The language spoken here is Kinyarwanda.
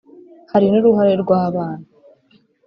hari n’uruhare rw’abana